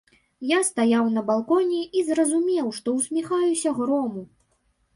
Я стаяў на балконе і зразумеў, што ўсміхаюся грому.